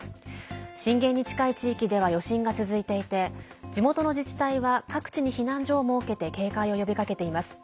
震源に近い地域では余震が続いていて地元の自治体は各地に避難所を設けて警戒を呼びかけています。